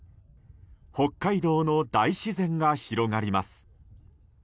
北海道の大自然が広がります。